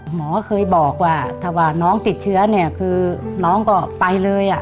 หมอเคยบอกว่าถ้าว่าน้องติดเชื้อเนี่ยคือน้องก็ไปเลย